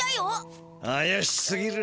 あやしすぎる。